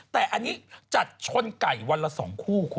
แต่อันนี้จัดชนไก่วันละ๒คู่คุณ